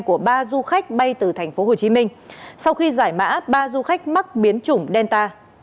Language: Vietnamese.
của ba du khách bay từ tp hcm sau khi giải mã ba du khách mắc biến chủng delta